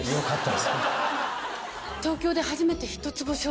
「東京で初めて一つ星を」